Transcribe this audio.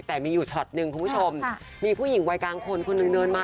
แต่มีอยู่ช็อตหนึ่งคุณผู้ชมมีผู้หญิงวัยกลางคนคนหนึ่งเดินมา